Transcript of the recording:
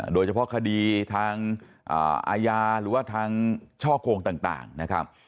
โดยเฉพาะคดีทางอาญาหรือว่าทางช่อโกงต่างนะครับ